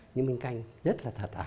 nhưng mà ngọc canh rất là thật